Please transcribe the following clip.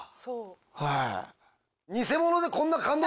はい。